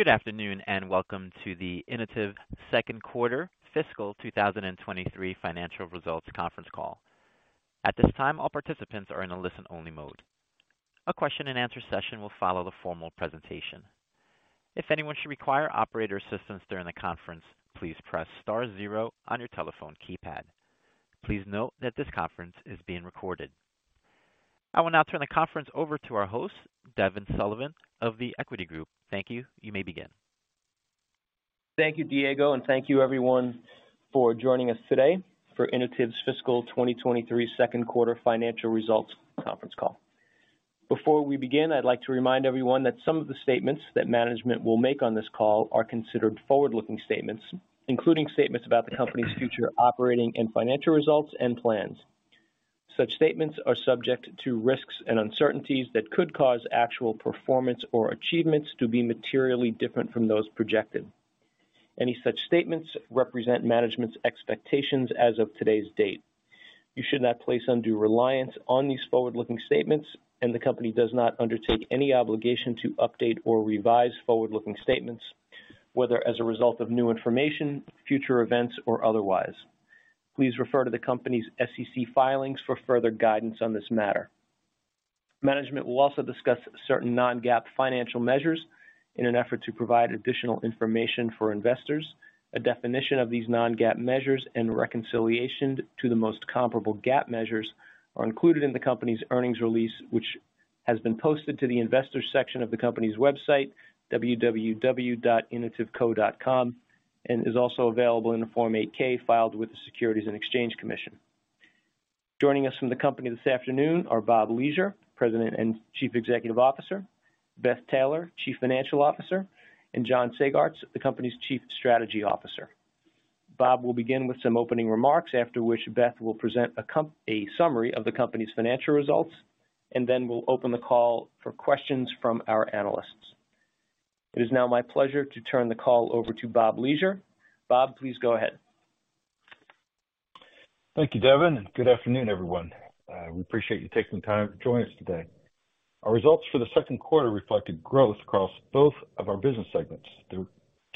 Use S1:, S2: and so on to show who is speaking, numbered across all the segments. S1: Good afternoon. Welcome to the Inotiv Second Quarter Fiscal 2023 Financial Results Conference Call. At this time, all participants are in a listen-only mode. A question and answer session will follow the formal presentation. If anyone should require operator assistance during the conference, please press star zero on your telephone keypad. Please note that this conference is being recorded. I will now turn the conference over to our host, Devin Sullivan of The Equity Group. Thank you. You may begin.
S2: Thank you, Diego, and thank you everyone for joining us today for Inotiv's Fiscal 2023 Second Quarter Financial Results Conference Call. Before we begin, I'd like to remind everyone that some of the statements that management will make on this call are considered forward-looking statements, including statements about the company's future operating and financial results and plans. Such statements are subject to risks and uncertainties that could cause actual performance or achievements to be materially different from those projected. Any such statements represent management's expectations as of today's date. You should not place undue reliance on these forward-looking statements. The company does not undertake any obligation to update or revise forward-looking statements, whether as a result of new information, future events or otherwise. Please refer to the company's SEC filings for further guidance on this matter. Management will also discuss certain non-GAAP financial measures in an effort to provide additional information for investors. A definition of these non-GAAP measures and reconciliation to the most comparable GAAP measures are included in the company's earnings release, which has been posted to the investors section of the company's website, www.inotiv.com, and is also available in the Form 8-K filed with the Securities and Exchange Commission. Joining us from the company this afternoon are Bob Leasure, President and Chief Executive Officer, Beth Taylor, Chief Financial Officer, and John Sagartz, the company's Chief Strategy Officer. Bob will begin with some opening remarks. After which Beth will present a summary of the company's financial results. Then we'll open the call for questions from our analysts. It is now my pleasure to turn the call over to Bob Leasure. Bob, please go ahead.
S3: Thank you, Devin, and good afternoon, everyone. We appreciate you taking the time to join us today. Our results for the second quarter reflected growth across both of our business segments. The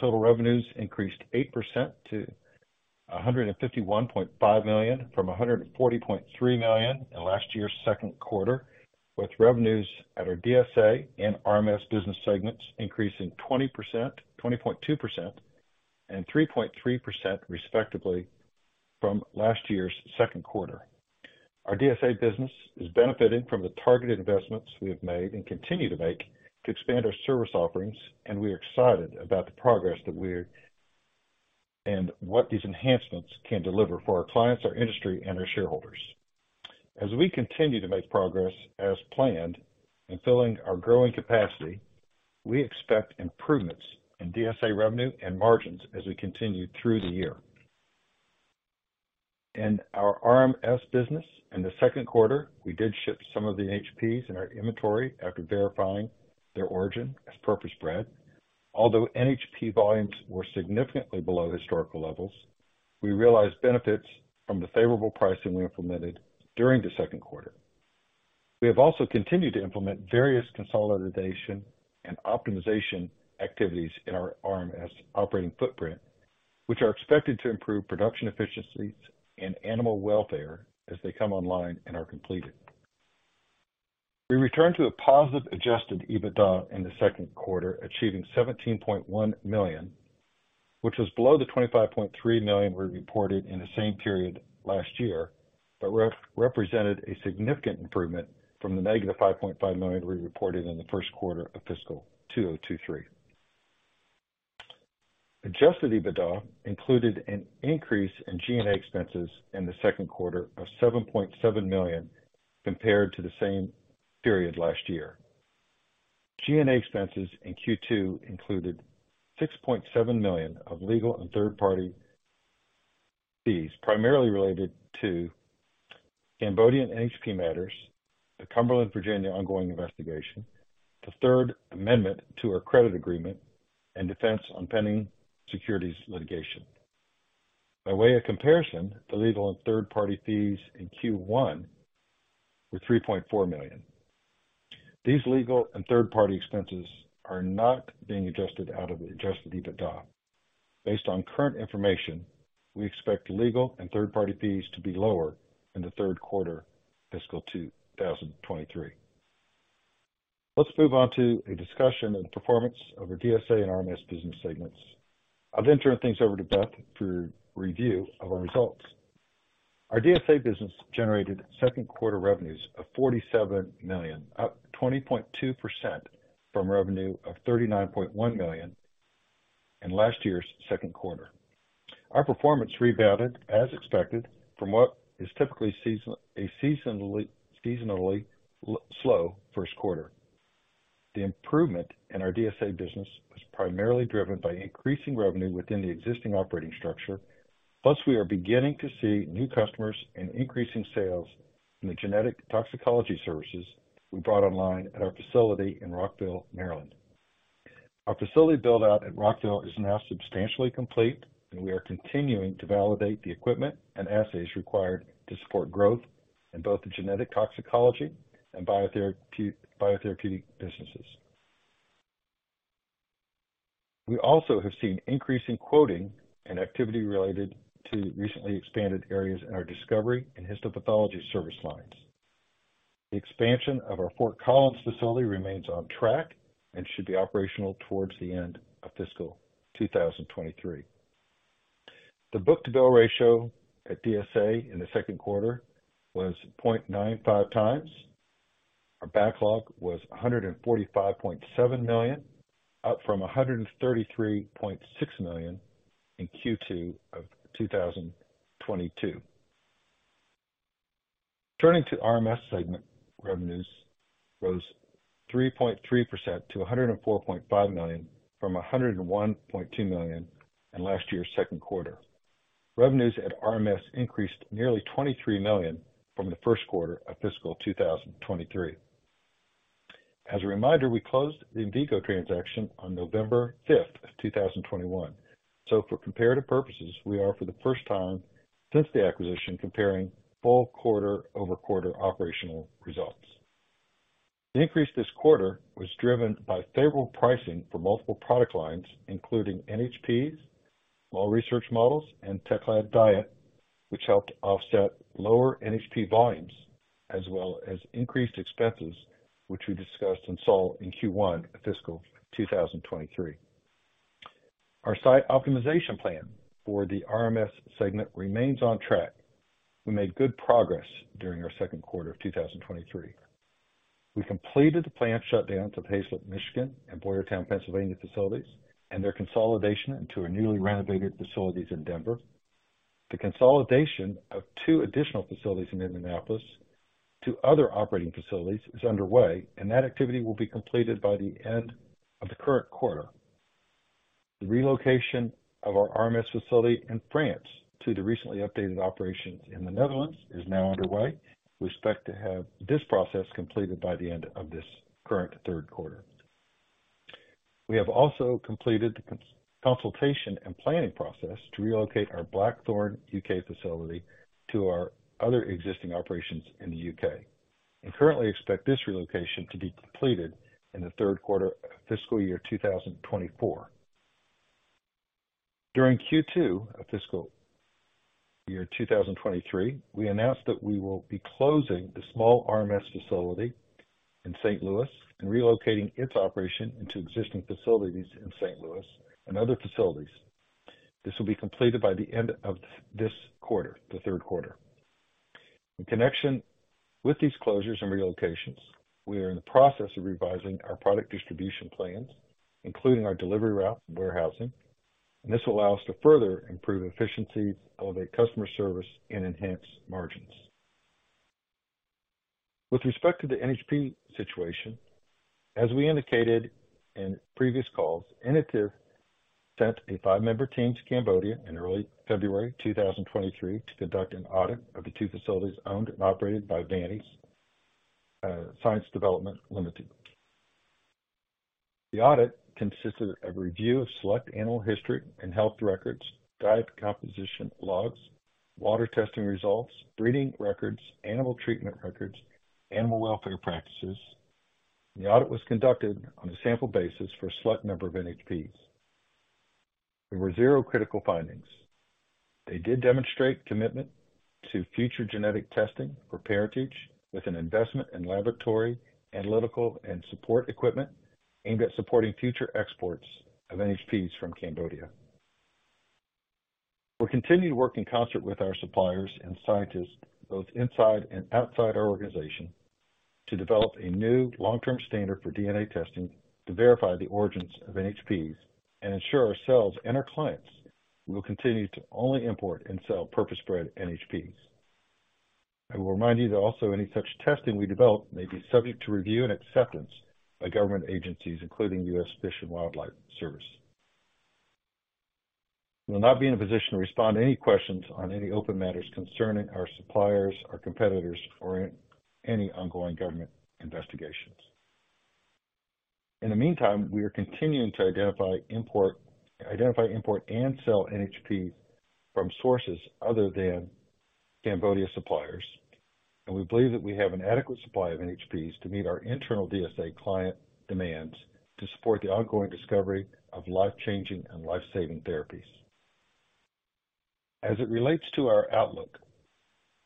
S3: total revenues increased 8% to $151.5 million, from $140.3 million in last year's second quarter, with revenues at our DSA and RMS business segments increasing 20.2% and 3.3%, respectively, from last year's second quarter. Our DSA business is benefiting from the targeted investments we have made and continue to make to expand our service offerings, and we are excited about and what these enhancements can deliver for our clients, our industry, and our shareholders. As we continue to make progress as planned in filling our growing capacity, we expect improvements in DSA revenue and margins as we continue through the year. In our RMS business in the second quarter, we did ship some of the NHPs in our inventory after verifying their origin as per spread. Although NHP volumes were significantly below historical levels, we realized benefits from the favorable pricing we implemented during the second quarter. We have also continued to implement various consolidation and optimization activities in our RMS operating footprint, which are expected to improve production efficiencies and animal welfare as they come online and are completed. We returned to a positive Adjusted EBITDA in the second quarter, achieving $17.1 million, which was below the $25.3 million we reported in the same period last year, but represented a significant improvement from the -$5.5 million we reported in the first quarter of fiscal 2023. Adjusted EBITDA included an increase in G&A expenses in the second quarter of $7.7 million compared to the same period last year. G&A expenses in Q2 included $6.7 million of legal and third-party fees, primarily related to Cambodian NHP matters, the Cumberland, Virginia ongoing investigation, the third amendment to our credit agreement, and defense on pending securities litigation. By way of comparison, the legal and third-party fees in Q1 were $3.4 million. These legal and third-party expenses are not being adjusted out of the Adjusted EBITDA. Based on current information, we expect legal and third-party fees to be lower in the third quarter of fiscal 2023. Let's move on to a discussion of the performance of our DSA and RMS business segments. I'll then turn things over to Beth for review of our results. Our DSA business generated second quarter revenues of $47 million, up 20.2% from revenue of $39.1 million in last year's second quarter. Our performance rebounded as expected from what is typically a seasonally slow first quarter. The improvement in our DSA business was primarily driven by increasing revenue within the existing operating structure, plus we are beginning to see new customers and increasing sales in the genetic toxicology services we brought online at our facility in Rockville, Maryland. Our facility build-out at Rockville is now substantially complete, and we are continuing to validate the equipment and assays required to support growth in both the genetic toxicology and biotherapeutic businesses. We also have seen increasing quoting and activity related to recently expanded areas in our discovery and histopathology service lines. The expansion of our Fort Collins facility remains on track and should be operational towards the end of fiscal 2023. The book-to-bill ratio at DSA in the second quarter was 0.95 times. Our backlog was $145.7 million, up from $133.6 million in Q2 of 2022. Turning to RMS segment, revenues rose 3.3% to $104.5 million from $101.2 million in last year's second quarter. Revenues at RMS increased nearly $23 million from the first quarter of fiscal 2023. A reminder, we closed the Envigo transaction on November fifth of 2021. For comparative purposes, we are for the first time since the acquisition, comparing full quarter-over-quarter operational results. The increase this quarter was driven by favorable pricing for multiple product lines, including NHPs, small research models, and Teklad Diet, which helped offset lower NHP volumes as well as increased expenses, which we discussed and saw in Q1 of fiscal 2023. Our site optimization plan for the RMS segment remains on track. We made good progress during our second quarter of 2023. We completed the planned shutdowns of Haslett, Michigan, and Boyertown, Pennsylvania facilities and their consolidation into our newly renovated facilities in Denver. The consolidation of two additional facilities in Indianapolis to other operating facilities is underway. That activity will be completed by the end of the current quarter. The relocation of our RMS facility in France to the recently updated operations in the Netherlands is now underway. We expect to have this process completed by the end of this current third quarter. We have also completed the consultation and planning process to relocate our Blackthorn, U.K. facility to our other existing operations in the U.K. We currently expect this relocation to be completed in the third quarter of fiscal year 2024. During Q2 of fiscal year 2023, we announced that we will be closing the small RMS facility in St. Louis and relocating its operation into existing facilities in St. Louis and other facilities. This will be completed by the end of this quarter, the third quarter. In connection with these closures and relocations, we are in the process of revising our product distribution plans, including our delivery route and warehousing. This will allow us to further improve efficiency, elevate customer service, and enhance margins. With respect to the NHP situation, as we indicated in previous calls, Initiative sent a five-member team to Cambodia in early February 2023 to conduct an audit of the two facilities owned and operated by Vanny's Science Development Limited. The audit consisted of review of select animal history and health records, diet composition logs, water testing results, breeding records, animal treatment records, animal welfare practices. The audit was conducted on a sample basis for a select number of NHPs. There were zero critical findings. They did demonstrate commitment to future genetic testing for parentage with an investment in laboratory, analytical, and support equipment aimed at supporting future exports of NHPs from Cambodia. We'll continue to work in concert with our suppliers and scientists, both inside and outside our organization, to develop a new long-term standard for DNA testing to verify the origins of NHPs and ensure ourselves and our clients will continue to only import and sell purpose-bred NHPs. I will remind you that also any such testing we develop may be subject to review and acceptance by government agencies, including U.S. Fish and Wildlife Service. We will not be in a position to respond to any questions on any open matters concerning our suppliers, our competitors, or any ongoing government investigations. In the meantime, we are continuing to identify, import, and sell NHP from sources other than Cambodia suppliers. We believe that we have an adequate supply of NHPs to meet our internal DSA client demands to support the ongoing discovery of life-changing and life-saving therapies. As it relates to our outlook,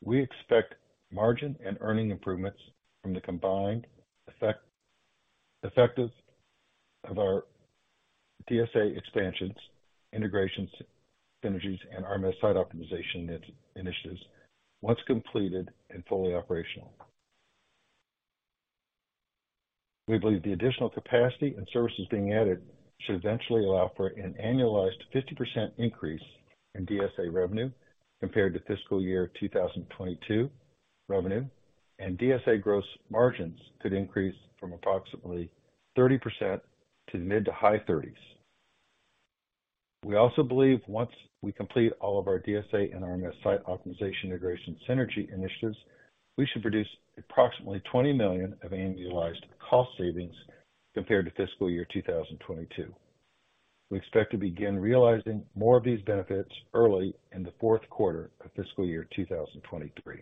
S3: we expect margin and earning improvements from the combined effectiveness of our DSA expansions, integrations, synergies, and RMS site optimization initiatives once completed and fully operational. We believe the additional capacity and services being added should eventually allow for an annualized 50% increase in DSA revenue compared to fiscal year 2022 revenue. DSA gross margins could increase from approximately 30% to mid to high thirties. We also believe once we complete all of our DSA and RMS site optimization, integration, synergy initiatives, we should produce approximately $20 million of annualized cost savings compared to fiscal year 2022. We expect to begin realizing more of these benefits early in the fourth quarter of fiscal year 2023.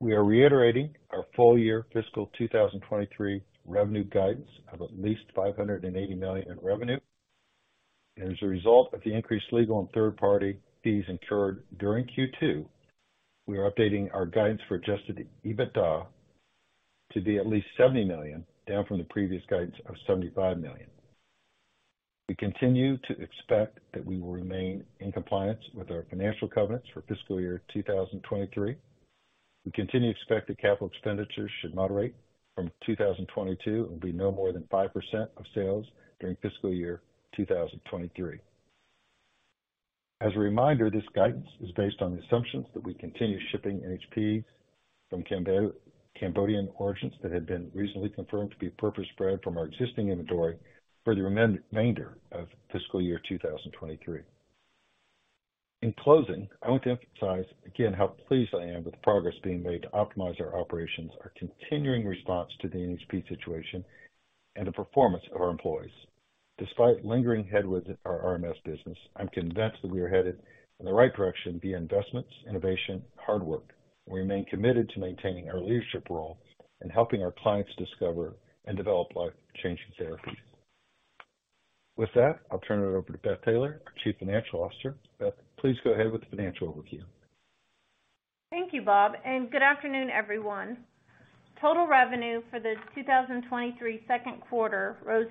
S3: We are reiterating our full year fiscal 2023 revenue guidance of at least $580 million in revenue. As a result of the increased legal and third-party fees incurred during Q2, we are updating our guidance for Adjusted EBITDA to be at least $70 million, down from the previous guidance of $75 million. We continue to expect that we will remain in compliance with our financial covenants for fiscal year 2023. We continue to expect that capital expenditures should moderate from 2022 and be no more than 5% of sales during fiscal year 2023. As a reminder, this guidance is based on the assumptions that we continue shipping NHP from Cambodian origins that had been recently confirmed to be purpose-bred from our existing inventory for the remainder of fiscal year 2023. In closing, I want to emphasize again how pleased I am with the progress being made to optimize our operations, our continuing response to the NHP situation, and the performance of our employees. Despite lingering headwinds in our RMS business, I'm convinced that we are headed in the right direction via investments, innovation, hard work. We remain committed to maintaining our leadership role and helping our clients discover and develop life-changing therapies. With that, I'll turn it over to Beth Taylor, our Chief Financial Officer. Beth, please go ahead with the financial overview.
S4: Thank you, Bob. Good afternoon, everyone. Total revenue for the 2023 second quarter rose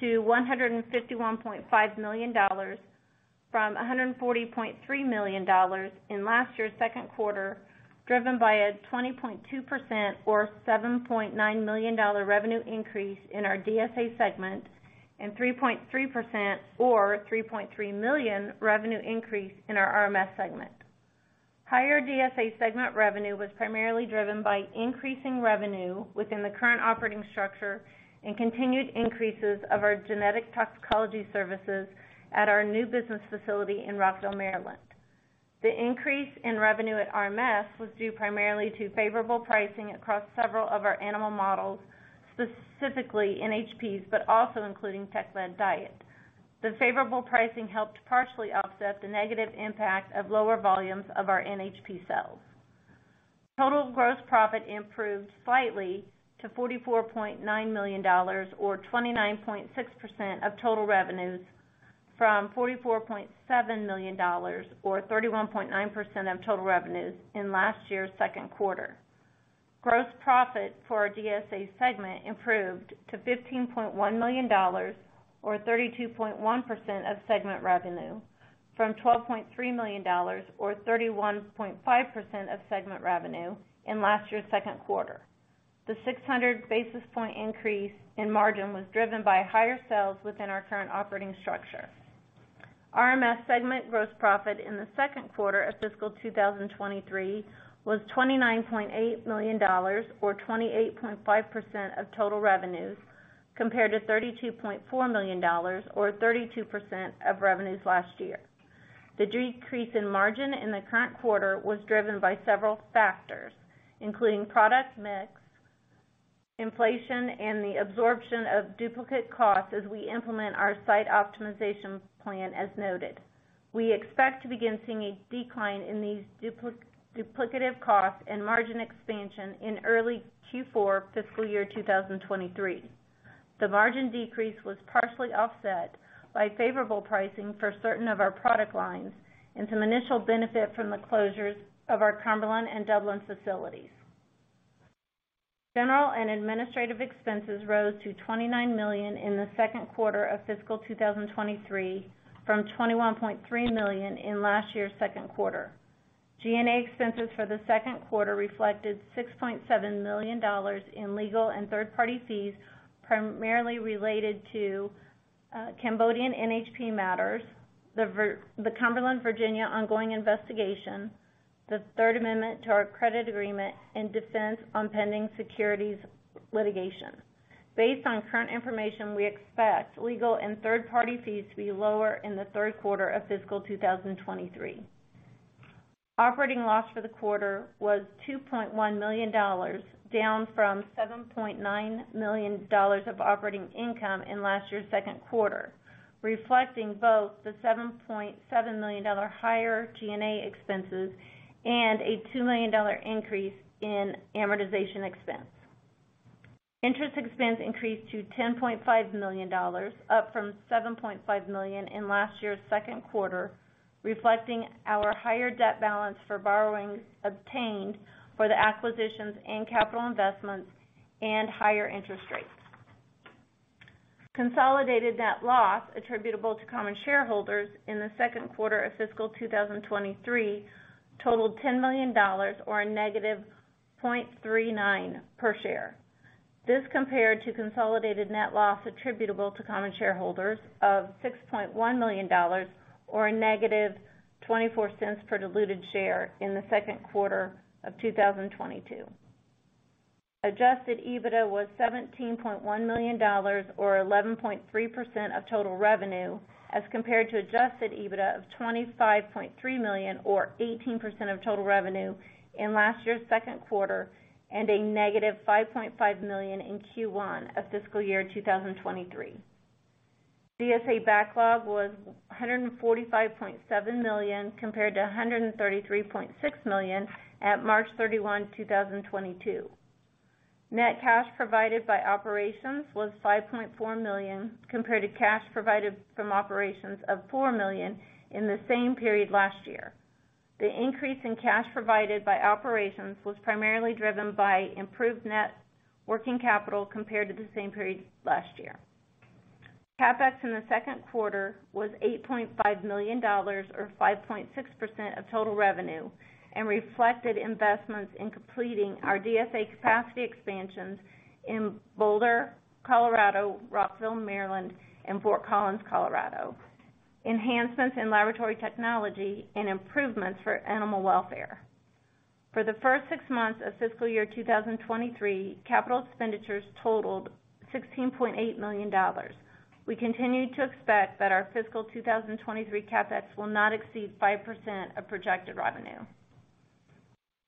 S4: 8%-$151.5 million from $140.3 million in last year's second quarter, driven by a 20.2% or $7.9 million revenue increase in our DSA segment and 3.3% or $3.3 million revenue increase in our RMS segment. Higher DSA segment revenue was primarily driven by increasing revenue within the current operating structure and continued increases of our genetic toxicology services at our new business facility in Rockville, Maryland. The increase in revenue at RMS was due primarily to favorable pricing across several of our animal models, specifically NHPs, but also including Teklad diet. The favorable pricing helped partially offset the negative impact of lower volumes of our NHP cells. Total gross profit improved slightly to $44.9 million or 29.6% of total revenues from $44.7 million or 31.9% of total revenues in last year's second quarter. Gross profit for our DSA segment improved to $15.1 million or 32.1% of segment revenue from $12.3 million or 31.5% of segment revenue in last year's second quarter. The 600 basis point increase in margin was driven by higher sales within our current operating structure. RMS segment gross profit in the second quarter of fiscal 2023 was $29.8 million or 28.5% of total revenues, compared to $32.4 million or 32% of revenues last year. The decrease in margin in the current quarter was driven by several factors, including product mix, inflation, and the absorption of duplicate costs as we implement our site optimization plan as noted. We expect to begin seeing a decline in these duplicative costs and margin expansion in early Q4 fiscal year 2023. The margin decrease was partially offset by favorable pricing for certain of our product lines and some initial benefit from the closures of our Cumberland and Dublin facilities. General and administrative expenses rose to $29 million in the second quarter of fiscal 2023 from $21.3 million in last year's second quarter. G&A expenses for the second quarter reflected $6.7 million in legal and third-party fees, primarily related to Cambodian NHP matters, the Cumberland, Virginia, ongoing investigation, the third amendment to our credit agreement, and defense on pending securities litigation. Based on current information, we expect legal and third-party fees to be lower in the third quarter of fiscal 2023. Operating loss for the quarter was $2.1 million, down from $7.9 million of operating income in last year's second quarter, reflecting both the $7.7 million higher G&A expenses and a $2 million increase in amortization expense. Interest expense increased to $10.5 million, up from $7.5 million in last year's second quarter, reflecting our higher debt balance for borrowings obtained for the acquisitions and capital investments and higher interest rates. Consolidated net loss attributable to common shareholders in the second quarter of fiscal 2023 totaled $10 million or a negative $0.39 per share. This compared to consolidated net loss attributable to common shareholders of $6.1 million or a negative $0.24 per diluted share in the second quarter of 2022. Adjusted EBITDA was $17.1 million or 11.3% of total revenue as compared to Adjusted EBITDA of $25.3 million or 18% of total revenue in last year's second quarter and a negative $5.5 million in Q1 of fiscal year 2023. DSA backlog was $145.7 million compared to $133.6 million at March 31, 2022. Net cash provided by operations was $5.4 million compared to cash provided from operations of $4 million in the same period last year. The increase in cash provided by operations was primarily driven by improved net working capital compared to the same period last year. CapEx in the second quarter was $8.5 million or 5.6% of total revenue, and reflected investments in completing our DSA capacity expansions in Boulder, Colorado, Rockville, Maryland, and Fort Collins, Colorado, enhancements in laboratory technology and improvements for animal welfare. For the first six months of fiscal year 2023, capital expenditures totaled $16.8 million. We continue to expect that our fiscal 2023 CapEx will not exceed 5% of projected revenue.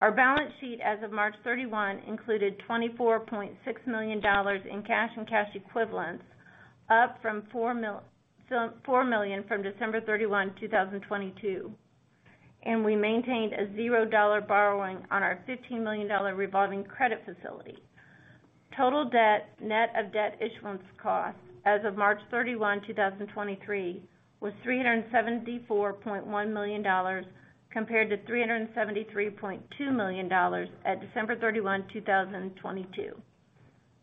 S4: Our balance sheet as of March 31 included $24.6 million in cash and cash equivalents, up from $4 million from December 31, 2022. We maintained a $0 borrowing on our $15 million revolving credit facility. Total debt, net of debt issuance costs as of March 31, 2023 was $374.1 million compared to $373.2 million at December 31, 2022.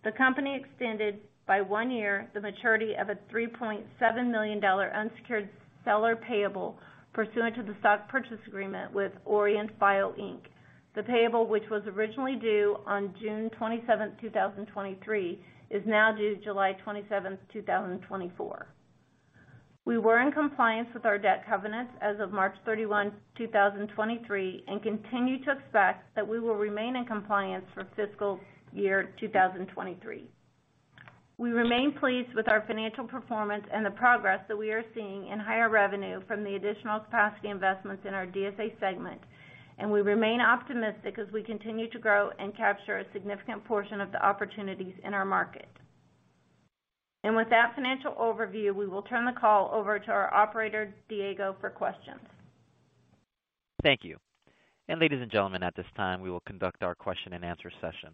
S4: The company extended by one year the maturity of a $3.7 million unsecured seller payable pursuant to the stock purchase agreement with Orient Bio, Inc.. The payable, which was originally due on June 27, 2023, is now due July 27, 2024. We were in compliance with our debt covenants as of March 31, 2023, and continue to expect that we will remain in compliance for fiscal year 2023. We remain pleased with our financial performance and the progress that we are seeing in higher revenue from the additional capacity investments in our DSA segment. We remain optimistic as we continue to grow and capture a significant portion of the opportunities in our market. With that financial overview, we will turn the call over to our operator, Diego, for questions.
S1: Thank you. Ladies and gentlemen, at this time we will conduct our question-and-answer session.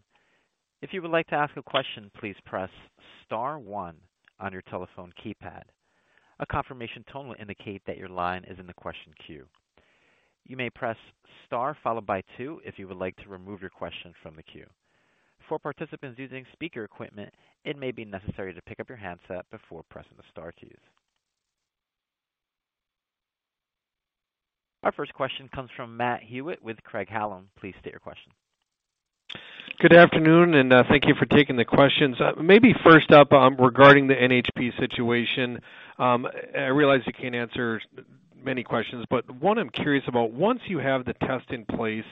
S1: If you would like to ask a question, please press star one on your telephone keypad. A confirmation tone will indicate that your line is in the question queue. You may press star followed by two if you would like to remove your question from the queue. For participants using speaker equipment, it may be necessary to pick up your handset before pressing the star keys. Our first question comes from Matt Hewitt with Craig-Hallum. Please state your question.
S5: Good afternoon. Thank you for taking the questions. Maybe first up, regarding the NHP situation, I realize you can't answer many questions. What I'm curious about, once you have the test in place,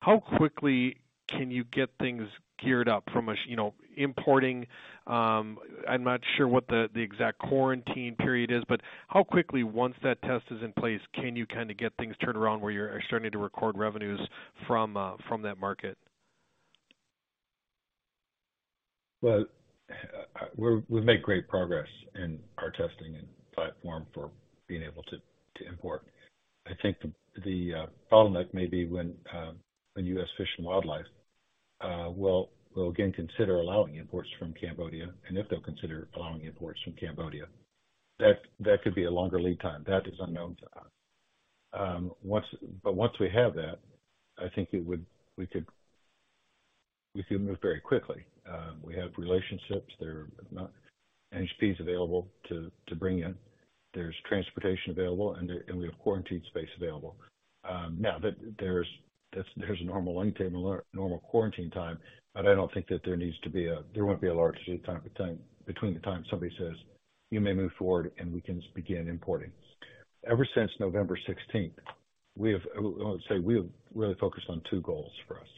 S5: how quickly can you get things geared up from a, you know, importing? I'm not sure what the exact quarantine period is. How quickly, once that test is in place, can you kind of get things turned around where you're starting to record revenues from that market?
S3: We've made great progress in our testing and platform for being able to import. I think the bottleneck may be when U.S. Fish and Wildlife will again consider allowing imports from Cambodia, and if they'll consider allowing imports from Cambodia. That could be a longer lead time. That is unknown to us. Once we have that, I think we could move very quickly. We have relationships. There are not NHPs available to bring in. There's transportation available, and we have quarantined space available. Now that there's a normal lead table, normal quarantine time, but I don't think that there needs to be, there won't be a large lead time between the time somebody says, "You may move forward," and we can begin importing. Ever since November 16th, we have, I would say, we have really focused on two goals for us.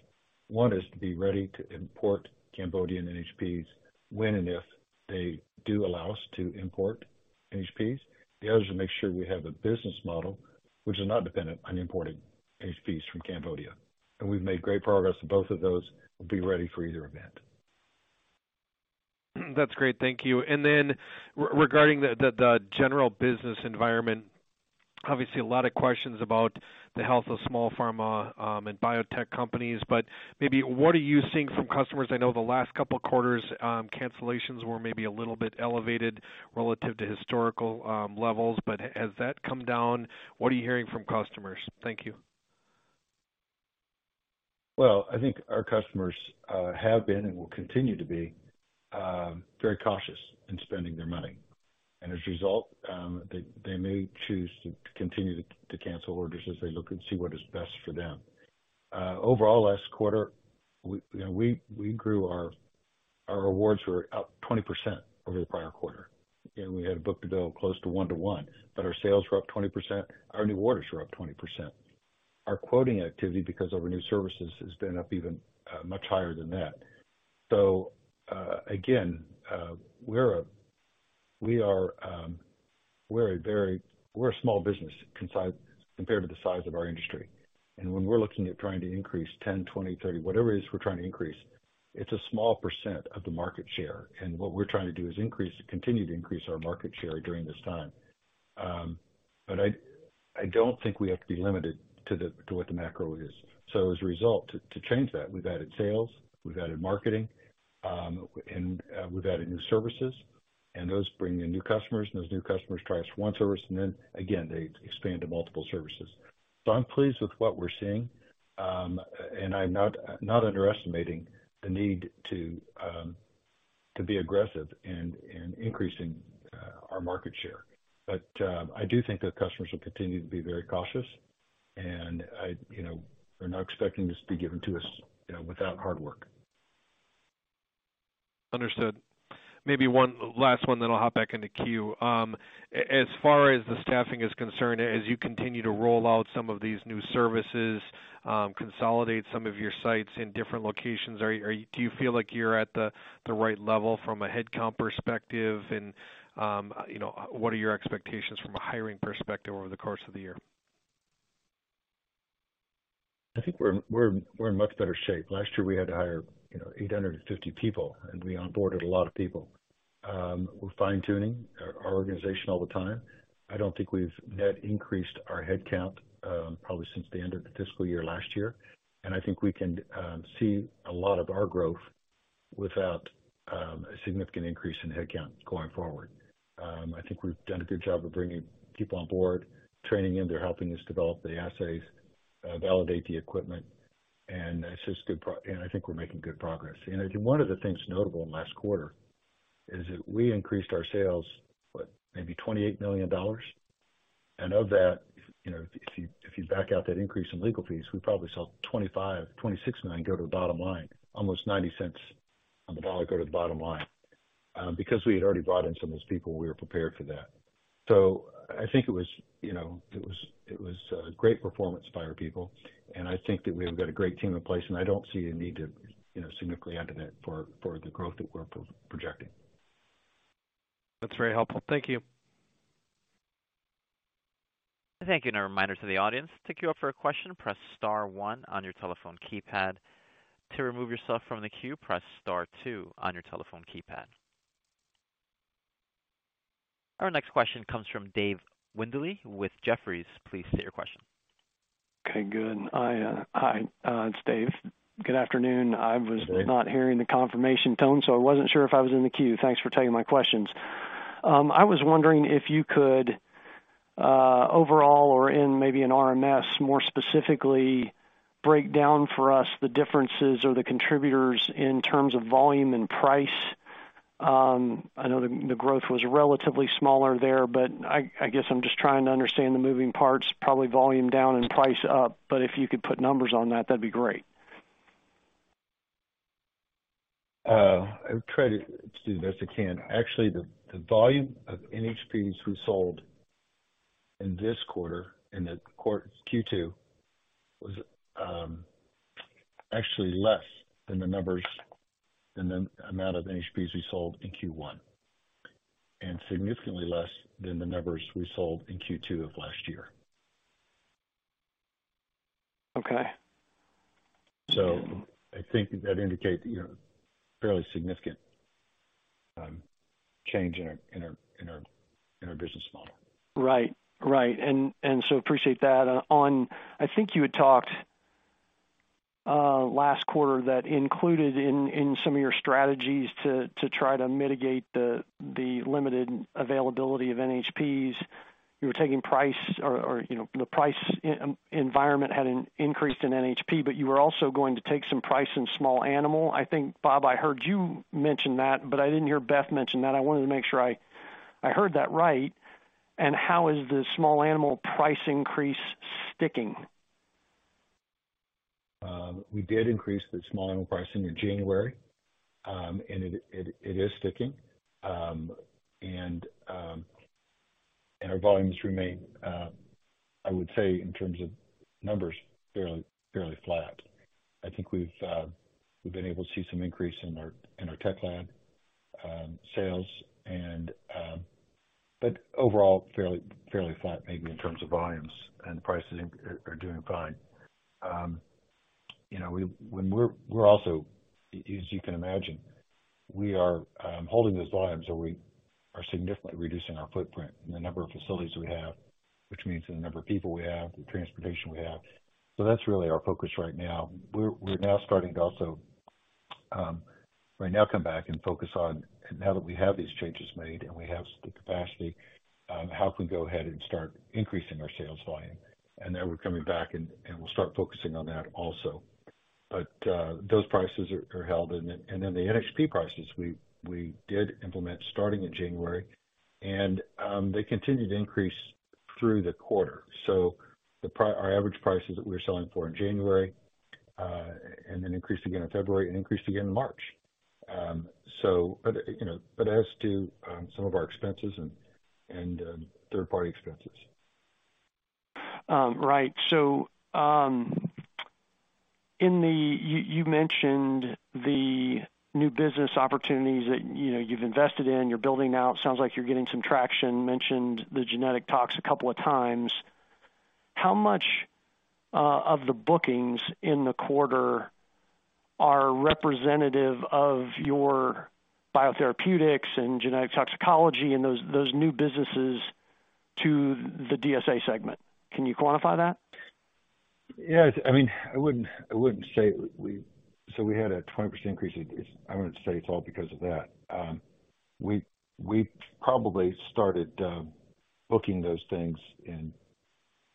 S3: One is to be ready to import Cambodian NHPs when and if they do allow us to import NHPs. The other is to make sure we have a business model which is not dependent on imported NHPs from Cambodia. We've made great progress on both of those. We'll be ready for either event.
S5: That's great. Thank you. Regarding the general business environment, obviously a lot of questions about the health of small pharma and biotech companies, maybe what are you seeing from customers? I know the last couple quarters, cancellations were maybe a little bit elevated relative to historical levels, has that come down? What are you hearing from customers? Thank you.
S3: Well, I think our customers have been and will continue to be very cautious in spending their money. As a result, they may choose to continue to cancel orders as they look and see what is best for them. Overall, last quarter, we, you know, we grew our awards were up 20% over the prior quarter. We had book-to-bill close to 1 to 1, but our sales were up 20%. Our new orders were up 20%. Our quoting activity because of our new services has been up even much higher than that. Again, we are a very small business concise compared to the size of our industry. When we're looking at trying to increase 10, 20, 30, whatever it is we're trying to increase, it's a small % of the market share. What we're trying to do is increase, continue to increase our market share during this time. I don't think we have to be limited to what the macro is. As a result, to change that, we've added sales, we've added marketing, and we've added new services, and those bring in new customers, and those new customers try us for one service, and then again, they expand to multiple services. I'm pleased with what we're seeing. I'm not underestimating the need to be aggressive in increasing our market share. I do think that customers will continue to be very cautious. I, you know, they're not expecting this to be given to us, you know, without hard work.
S5: Understood. Maybe one last one, then I'll hop back in the queue. As far as the staffing is concerned, as you continue to roll out some of these new services, consolidate some of your sites in different locations, are you do you feel like you're at the right level from a headcount perspective? you know, what are your expectations from a hiring perspective over the course of the year?
S3: I think we're in much better shape. Last year, we had to hire, you know, 850 people, and we onboarded a lot of people. We're fine-tuning our organization all the time. I don't think we've net increased our headcount, probably since the end of the fiscal year last year. I think we can see a lot of our growth without a significant increase in headcount going forward. I think we've done a good job of bringing people on board, training them. They're helping us develop the assays, validate the equipment, and I think we're making good progress. One of the things notable in last quarter is that we increased our sales, what, maybe $28 million. Of that, you know, if you, if you back out that increase in legal fees, we probably saw $25 million, $26 million go to the bottom line. Almost $0.90 on the dollar go to the bottom line. because we had already brought in some of those people, we were prepared for that. I think it was, you know, it was, it was great performance by our people. I think that we've got a great team in place, and I don't see a need to, you know, significantly add to that for the growth that we're projecting.
S5: That's very helpful. Thank you.
S1: Thank you. A reminder to the audience, to queue up for a question, press star one on your telephone keypad. To remove yourself from the queue, press star two on your telephone keypad. Our next question comes from Dave Windley with Jefferies. Please state your question.
S6: Okay, good. I, hi, it's Dave. Good afternoon.
S3: Dave.
S6: Not hearing the confirmation tone, so I wasn't sure if I was in the queue. Thanks for taking my questions. I was wondering if you could overall or in maybe an RMS, more specifically, break down for us the differences or the contributors in terms of volume and price. I know the growth was relatively smaller there, but I guess I'm just trying to understand the moving parts, probably volume down and price up. If you could put numbers on that'd be great.
S3: I'll try to do the best I can. Actually, the volume of NHPs we sold in this quarter, in Q2, was actually less than the numbers, than the amount of NHPs we sold in Q1, and significantly less than the numbers we sold in Q2 of last year.
S6: Okay.
S3: I think that indicates, you know, fairly significant change in our business model.
S6: Right. Right. Appreciate that. I think you had talked last quarter that included in some of your strategies to try to mitigate the limited availability of NHPs. You were taking price or, you know, the price environment had increased in NHP, but you were also going to take some price in small animal. I think, Bob, I heard you mention that, but I didn't hear Beth mention that. I wanted to make sure I heard that right. How is the small animal price increase sticking?
S3: We did increase the small animal price in January, it is sticking. Our volumes remain, I would say in terms of numbers, fairly flat. I think we've been able to see some increase in our, in our Teklad sales and, but overall fairly flat maybe in terms of volumes and prices are doing fine. You know, when we're also, as you can imagine, we are holding those volumes or we are significantly reducing our footprint and the number of facilities we have, which means the number of people we have, the transportation we have. That's really our focus right now. We're now starting to also come back and focus on now that we have these changes made and we have the capacity, how can we go ahead and start increasing our sales volume? Now we're coming back and we'll start focusing on that also. Those prices are held. The NHP prices we did implement starting in January. They continued to increase through the quarter. Our average prices that we were selling for in January, and then increased again in February and increased again in March. You know, as to some of our expenses and third-party expenses.
S6: Right. You mentioned the new business opportunities that, you know, you've invested in, you're building out. Sounds like you're getting some traction. Mentioned the genetic tox a couple of times. How much of the bookings in the quarter are representative of your biotherapeutics and genetic toxicology and those new businesses to the DSA segment? Can you quantify that?
S3: Yes. I mean, I wouldn't say we. So we had a 20% increase. It's, I wouldn't say it's all because of that. We probably started booking those things in,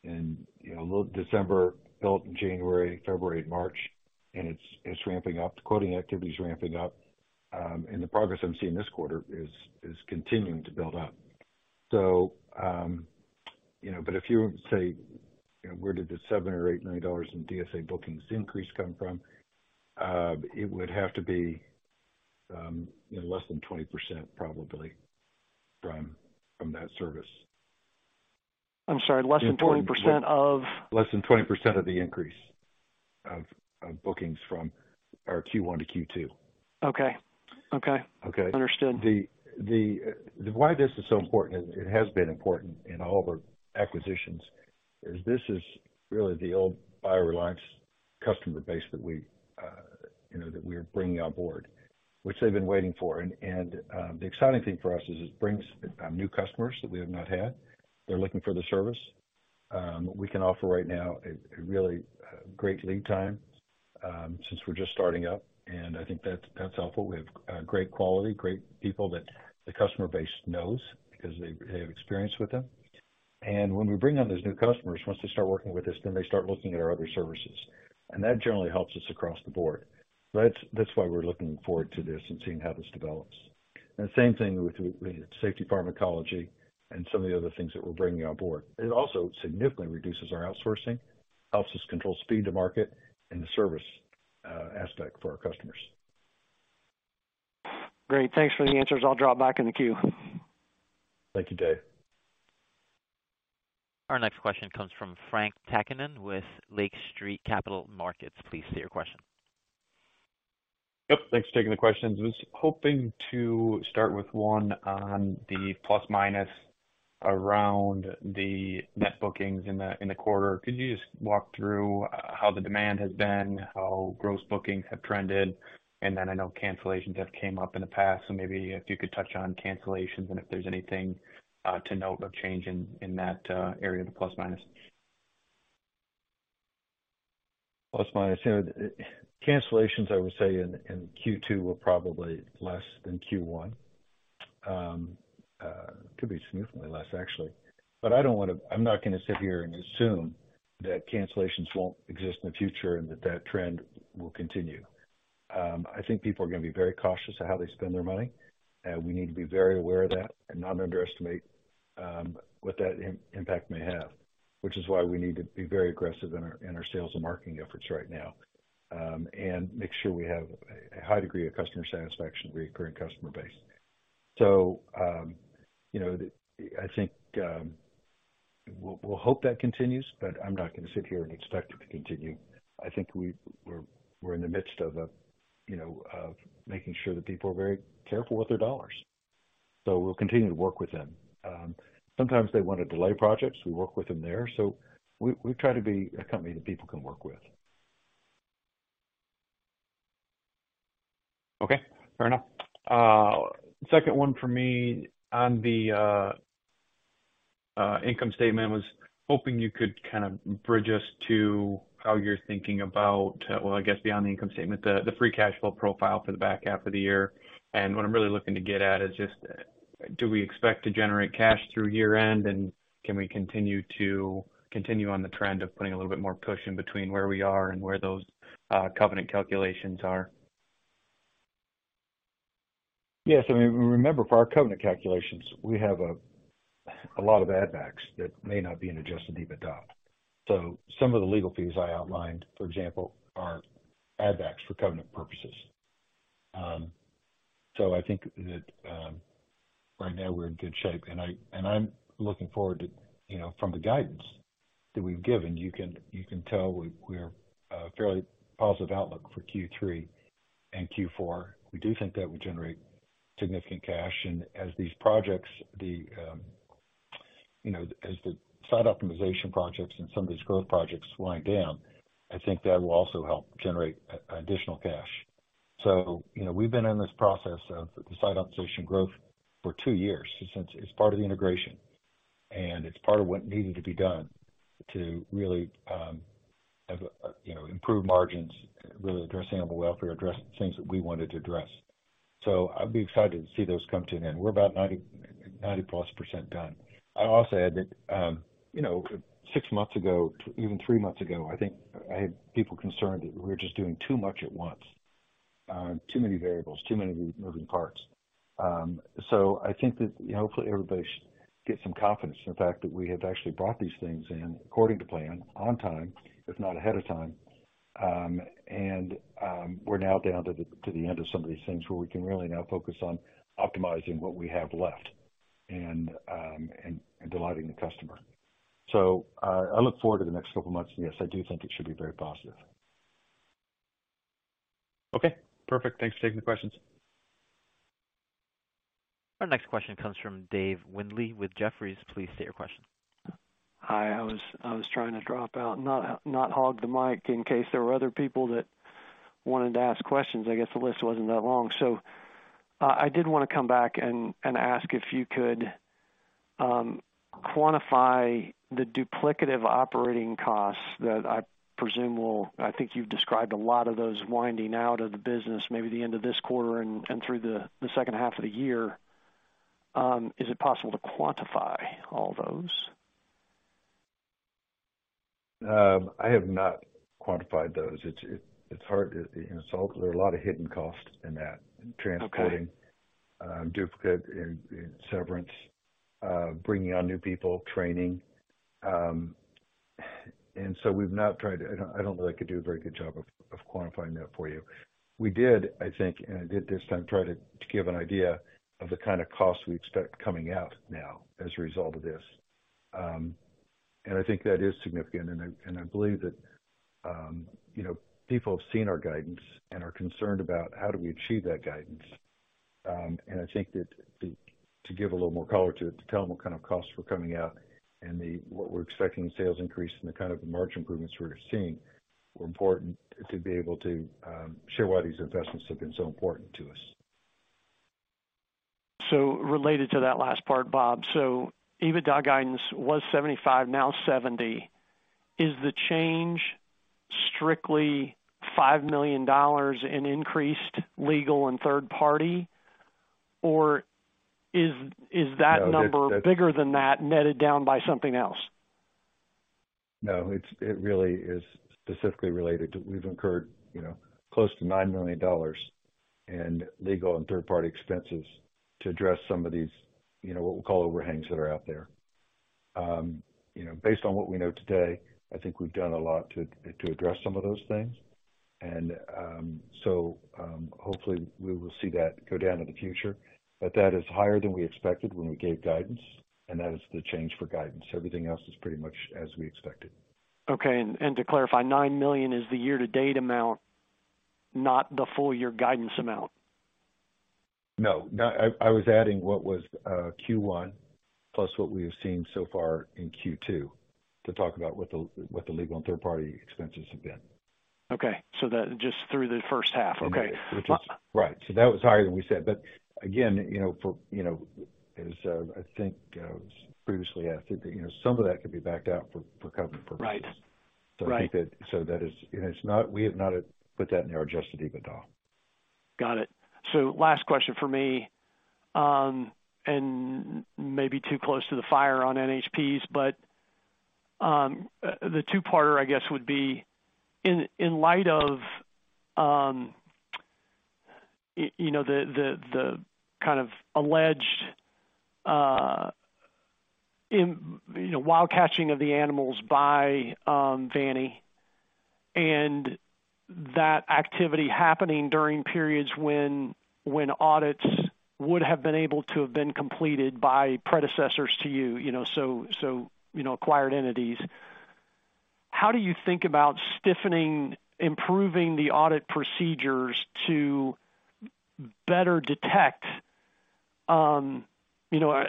S3: you know, December, built in January, February and March, and it's ramping up. The quoting activity is ramping up, and the progress I'm seeing this quarter is continuing to build up. You know, but if you say, you know, where did the $7 million-$8 million in DSA bookings increase come from? It would have to be, you know, less than 20% probably from that service.
S6: I'm sorry, less than 20% of?
S3: Less than 20% of the increase of bookings from our Q1-Q2.
S6: Okay. Okay.
S3: Okay.
S6: Understood.
S3: The why this is so important, it has been important in all of our acquisitions, is this is really the old BioReliance customer base that we, you know, that we are bringing on board, which they've been waiting for. The exciting thing for us is it brings new customers that we have not had. They're looking for the service. We can offer right now a really great lead time since we're just starting up, and I think that's helpful. We have great quality, great people that the customer base knows because they have experience with them. When we bring on those new customers, once they start working with us, then they start looking at our other services, and that generally helps us across the board. That's, that's why we're looking forward to this and seeing how this develops. The same thing with the safety pharmacology and some of the other things that we're bringing on board. It also significantly reduces our outsourcing, helps us control speed to market and the service aspect for our customers.
S6: Great. Thanks for the answers. I'll drop back in the queue.
S3: Thank you, Jay.
S1: Our next question comes from Frank Takkinen with Lake Street Capital Markets. Please state your question.
S7: Yep. Thanks for taking the questions. Was hoping to start with one on the plus minus around the net bookings in the, in the quarter. Could you just walk through how the demand has been, how gross bookings have trended? I know cancellations have came up in the past, so maybe if you could touch on cancellations and if there's anything to note of change in that area of the plus minus.
S3: Plus minus. You know, cancellations, I would say in Q2 were probably less than Q1. could be significantly less actually. I don't wanna. I'm not gonna sit here and assume that cancellations won't exist in the future and that that trend will continue. I think people are gonna be very cautious of how they spend their money, and we need to be very aware of that and not underestimate what that impact may have. Which is why we need to be very aggressive in our, in our sales and marketing efforts right now, and make sure we have a high degree of customer satisfaction, reoccurring customer base. you know, I think we'll hope that continues, but I'm not gonna sit here and expect it to continue. I think we're in the midst of a, you know, of making sure that people are very careful with their dollars. We'll continue to work with them. Sometimes they want to delay projects, we work with them there. We try to be a company that people can work with.
S7: Okay, fair enough. Second one for me on the income statement, was hoping you could kind of bridge us to how you're thinking about, well, I guess beyond the income statement, the free cash flow profile for the back half of the year. What I'm really looking to get at is just do we expect to generate cash through year-end and can we continue on the trend of putting a little bit more cushion between where we are and where those covenant calculations are?
S3: Yes. I mean, remember, for our covenant calculations, we have a lot of add backs that may not be an Adjusted EBITDA. Some of the legal fees I outlined, for example, are add backs for covenant purposes. I think that right now we're in good shape. I, and I'm looking forward to, you know, from the guidance that we've given, you can, you can tell we're a fairly positive outlook for Q3 and Q4. We do think that will generate significant cash. As these projects, the, you know, as the site optimization projects and some of these growth projects wind down, I think that will also help generate additional cash. You know, we've been in this process of the site optimization growth for two years. It's part of the integration and it's part of what needed to be done to really, have, you know, improve margins, really address animal welfare, address things that we wanted to address. I'd be excited to see those come to an end. We're about 90 plus % done. I also added, you know, six months ago, even three months ago, I think I had people concerned that we were just doing too much at once. Too many variables, too many moving parts. I think that hopefully everybody should get some confidence in the fact that we have actually brought these things in according to plan. On time, if not ahead of time. We're now down to the, to the end of some of these things where we can really now focus on optimizing what we have left and delighting the customer. I look forward to the next couple months. Yes, I do think it should be very positive. Okay, perfect. Thanks for taking the questions.
S1: Our next question comes from Dave Windley with Jefferies. Please state your question.
S6: Hi, I was trying to drop out, not hog the mic in case there were other people that wanted to ask questions. I guess the list wasn't that long. I did wanna come back and ask if you could quantify the duplicative operating costs that I presume will. I think you've described a lot of those winding out of the business, maybe the end of this quarter and through the second half of the year. Is it possible to quantify all those?
S3: I have not quantified those. There are a lot of hidden costs in that.
S6: Okay.
S3: In transporting, duplicate and severance, bringing on new people, training. We've not tried to. I don't know that I could do a very good job of quantifying that for you. We did, I think, and I did this time, try to give an idea of the kinda costs we expect coming out now as a result of this. I think that is significant, and I believe that, you know, people have seen our guidance and are concerned about how do we achieve that guidance. I think that to give a little more color to it, to tell them what kind of costs were coming out and the, what we're expecting in sales increase and the kind of the margin improvements we're seeing were important to be able to show why these investments have been so important to us.
S6: Related to that last part, Bob. EBITDA guidance was 75, now 70. Is the change strictly $5 million in increased legal and third party, or is that?
S3: No, that's.
S6: number bigger than that, netted down by something else?
S3: It's, it really is specifically related to we've incurred, you know, close to $9 million in legal and third-party expenses to address some of these, you know, what we'll call overhangs that are out there. You know, based on what we know today, I think we've done a lot to address some of those things. Hopefully we will see that go down in the future. That is higher than we expected when we gave guidance, and that is the change for guidance. Everything else is pretty much as we expected.
S6: Okay. To clarify, $9 million is the year-to-date amount, not the full year guidance amount.
S3: No, I was adding what was Q1, plus what we have seen so far in Q2 to talk about what the legal and third-party expenses have been.
S6: Okay. That just through the first half. Okay.
S3: Right. That was higher than we said. Again, you know, for, you know, as, I think I was previously asked, you know, some of that could be backed out for COVID purposes.
S6: Right. Right.
S3: I think that, you know, it's not, we have not put that in our Adjusted EBITDA.
S6: Got it. Last question for me, and maybe too close to the fire on NHPs, but the two-parter I guess would be in light of you know, the kind of alleged you know, wild catching of the animals by Vanny and that activity happening during periods when audits would have been able to have been completed by predecessors to you. You know, so you know, acquired entities. How do you think about stiffening, improving the audit procedures to better detect, you know...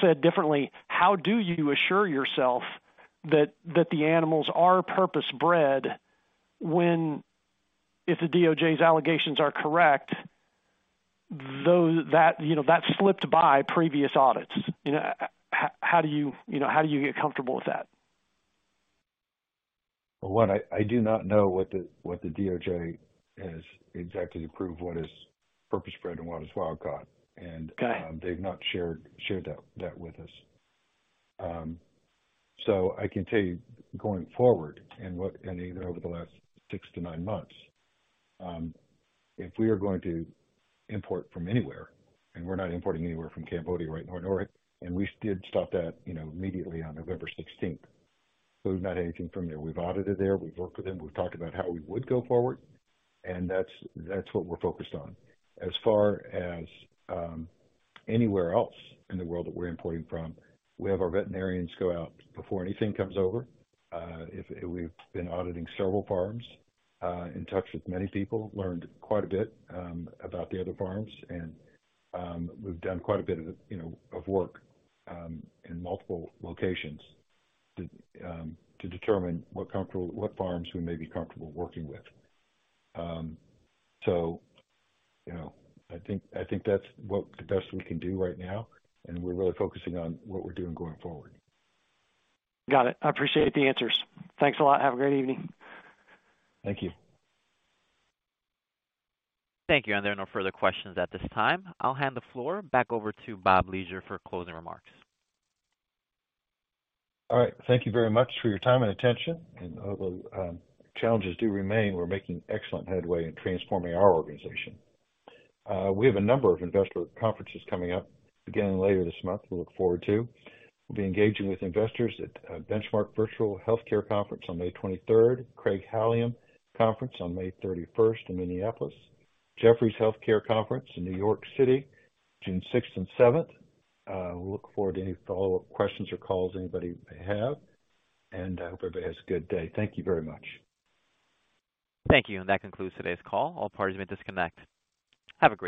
S6: Said differently, how do you assure yourself that the animals are purpose-bred when, if the DOJ's allegations are correct, that you know, that slipped by previous audits? You know, how do you know, how do you get comfortable with that?
S3: Well, what I do not know what the DOJ has exactly to prove what is purpose-bred and what is wild-caught?
S6: Got it.
S3: They've not shared that with us. I can tell you going forward and what, and even over the last 6 to 9 months, if we are going to import from anywhere, and we're not importing anywhere from Cambodia right now and we did stop that, you know, immediately on November 16th. Not anything from there. We've audited there. We've worked with them. We've talked about how we would go forward, and that's what we're focused on. As far as anywhere else in the world that we're importing from, we have our veterinarians go out before anything comes over. If we've been auditing several farms, in touch with many people, learned quite a bit, about the other farms. We've done quite a bit of, you know, of work, in multiple locations to determine what farms we may be comfortable working with. You know, I think that's what the best we can do right now, and we're really focusing on what we're doing going forward.
S6: Got it. I appreciate the answers. Thanks a lot. Have a great evening.
S3: Thank you.
S1: Thank you. There are no further questions at this time. I'll hand the floor back over to Bob Leasure for closing remarks.
S3: All right. Thank you very much for your time and attention. Although challenges do remain, we're making excellent headway in transforming our organization. We have a number of investor conferences coming up beginning later this month we look forward to. We'll be engaging with investors at Benchmark Healthcare House Call Virtual Conference on May 23rd, Craig-Hallum Institutional Investor Conference on May 31st in Minneapolis, Jefferies Healthcare Conference in New York City, June 6th and 7th. We look forward to any follow-up questions or calls anybody may have. Hope everybody has a good day. Thank you very much.
S1: Thank you. That concludes today's call. All parties may disconnect. Have a great day.